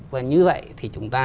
và như vậy thì chúng ta